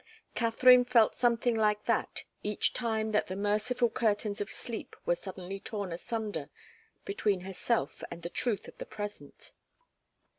Katharine felt something like that each time that the merciful curtains of sleep were suddenly torn asunder between herself and the truth of the present.